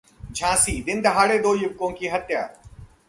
झांसी: दिनदहाड़े दो युवकों की हत्या